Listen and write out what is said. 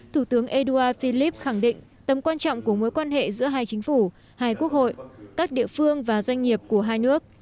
thủ tướng édouard philipp khẳng định tầm quan trọng của mối quan hệ giữa hai chính phủ hai quốc hội các địa phương và doanh nghiệp của hai nước